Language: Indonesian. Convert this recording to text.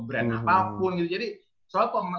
brand apapun gitu jadi soalnya